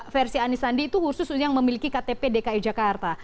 versi anisandi itu khusus yang memiliki ktp dki jakarta